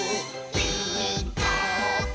「ピーカーブ！」